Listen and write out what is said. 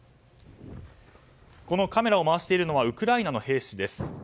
カメラを回しているのはウクライナの兵士です。